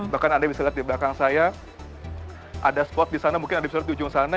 bahkan anda bisa lihat di belakang saya ada spot di sana mungkin anda bisa lihat di ujung sana